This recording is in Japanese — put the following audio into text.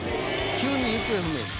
急に行方不明に。